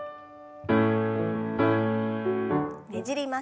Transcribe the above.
ねじります。